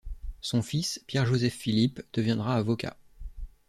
Son fils, Pierre-Joseph Philippe, deviendra avocat.